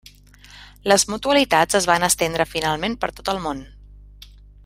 Les mutualitats es van estendre finalment per tot el món.